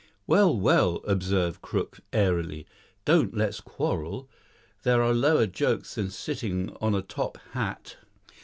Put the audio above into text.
"Well, well," observed Crook, airily, "don't let's quarrel. There are lower jokes than sitting on a top hat."